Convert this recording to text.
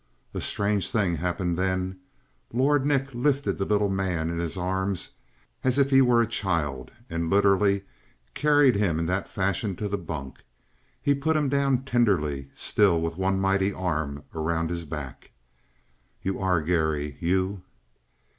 A strange thing happened then. Lord Nick lifted the little man in his arms as if he were a child and literally carried him in that fashion to the bunk. He put him down tenderly, still with one mighty arm around his back. "You are Garry? You!"